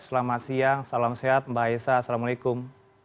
selamat siang salam sehat mbak aisa assalamualaikum